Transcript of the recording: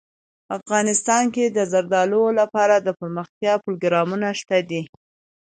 افغانستان کې د زردالو لپاره دپرمختیا پروګرامونه شته دي.